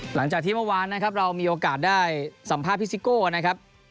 หลังจากที่เมื่อวานนะครับเรามีโอกาสได้สัมภาษณ์พี่ซิโก้นะครับ